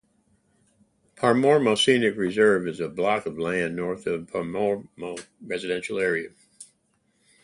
Paremoremo Scenic Reserve is a block of land north of the Paremoremo residential area.